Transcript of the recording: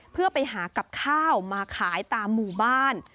เพื่อไปหากับข้าวมาขายตามหมู่บ้าน